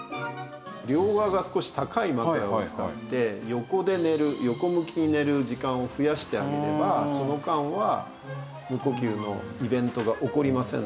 両側が少し高い枕を使って横で寝る横向きに寝る時間を増やしてあげればその間は無呼吸のイベントが起こりませんので軽減すると。